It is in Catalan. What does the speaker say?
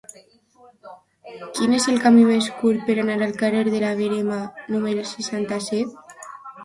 Quin és el camí més curt per anar al carrer de la Verema número seixanta-set?